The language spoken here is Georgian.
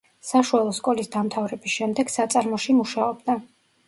საშუალო სკოლის დამთავრების შემდეგ საწარმოში მუშაობდა.